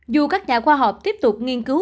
dù các nhà khoa học tiếp tục nghiên cứu